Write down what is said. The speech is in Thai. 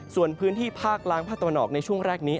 ส่วนพื้นที่ภาคล้างภาคตะวันออกในช่วงแรกนี้